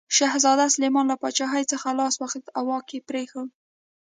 شهزاده سلیمان له پاچاهي څخه لاس واخیست او واک یې پرېښود.